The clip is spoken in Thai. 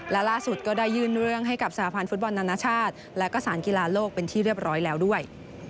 และล่าสุดก็ได้ยื่นเรื่องให้กับสหพันธ์ฟุตบอลนานาชาติและก็สารกีฬาโลกเป็นที่เรียบร้อยแล้วด้วย